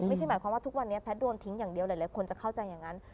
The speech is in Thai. ไม่ใช่หมายความว่าทุกวันนี้แพทย์โดนทิ้งอย่างเดียวหลายคนจะเข้าใจอย่างนั้น